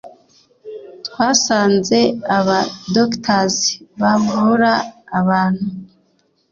twasanze aba doctors bavura abantu